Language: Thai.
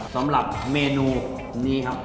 สำหรับเมนูนี้ครับ